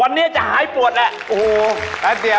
วันนี้จะหายปวดแหละโอ้โหแป๊บเดียว